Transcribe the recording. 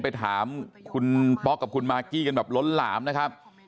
ไปถามคุณป๊อกกับคุณมากกี้กันแบบล้นหลามนะครับ